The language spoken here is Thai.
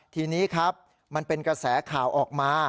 ทีนี้ครับมันเป็นกระแสข่าวออกมา